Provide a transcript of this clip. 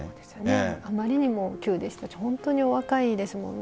あまりにも急でしたし本当にお若いですもんね。